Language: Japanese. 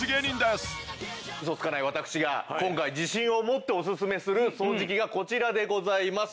ウソつかない私が今回自信を持ってオススメする掃除機がこちらでございます。